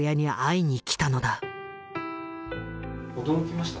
驚きました？